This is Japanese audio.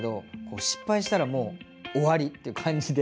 失敗したらもう終わりって感じで。